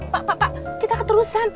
pak pak pak kita keterusan